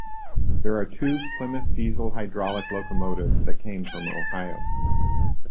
There are two Plymouth diesel-hydraulic locomotives that came from Ohio.